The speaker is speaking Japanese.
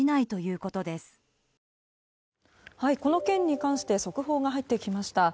この件に関して速報が入ってきました。